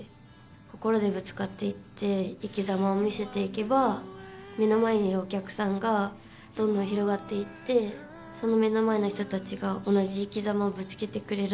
心でぶつかっていって生きざまを見せていけば目の前にいるお客さんがどんどん広がっていってその目の前の人たちが同じ生きざまをぶつけてくれるのかな。